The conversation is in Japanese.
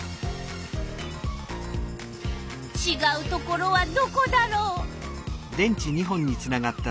ちがうところはどこだろう？